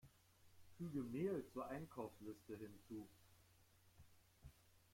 Füge Mehl zur Einkaufsliste hinzu!